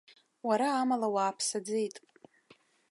Уара амала уааԥсаӡеит.